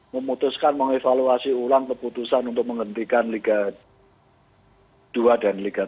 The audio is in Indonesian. memutuskan mengevaluasi ulang keputusan untuk menghentikan liga dua dan liga tiga